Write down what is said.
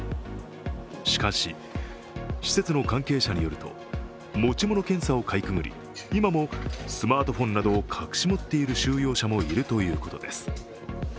しかし、施設の関係者によると持ち物検査をかいくぐり今もスマートフォンなどを隠し持っている収容者もいるということです。